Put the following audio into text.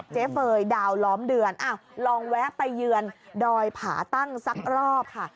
เฟย์ดาวล้อมเดือนอ้าวลองแวะไปเยือนดอยผาตั้งสักรอบค่ะ